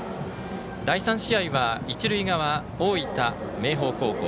第３試合は一塁側、大分、明豊高校。